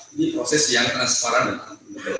ini proses yang transparan dan antibody